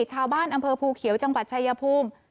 ชาวบ้านอำเภอภูเขียวจังหวัดชายภูมิ